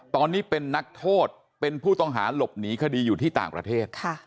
ตอนนี้เป็นนักโทษเป็นผู้ต้องหาหลบหนีคดีอยู่ที่ต่างประเทศ